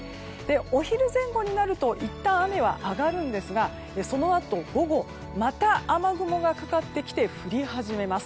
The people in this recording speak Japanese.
お昼前後になるといったん雨は上がるんですがそのあと、午後また雨雲がかかってきて降り始めます。